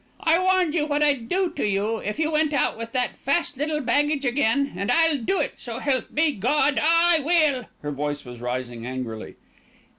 "I warned you what I'd do to you if you went out with that fast little baggage again, and I'll do it, so help me God, I will." Her voice was rising angrily.